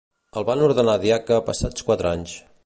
El van ordenar diaca passats quatre anys.